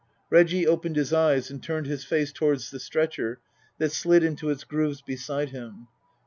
Reggie opened his eyes and turned his face towards the stretcher that slid into its grooves beside him.